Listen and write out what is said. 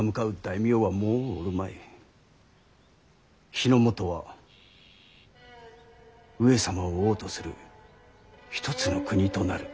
日の本は上様を王とする一つの国となる。